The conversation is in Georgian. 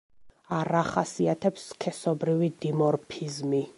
არ ახასიათებს სქესობრივი დიმორფიზმი.